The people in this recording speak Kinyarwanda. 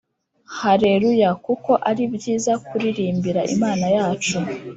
Haleluya Kuko ari byiza kuririmbira Imana yacu